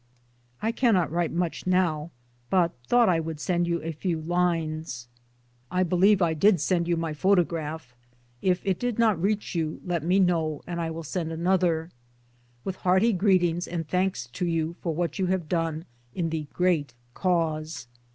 I cannot write much now, but thought I would send you a few 278 MY DAYS AND DREAMS >ach lines. I believe I did send you my photograph. If it did not reach you let me know, and I will send another. With hearty greetings and thanks to you for what you have done in the great Cause.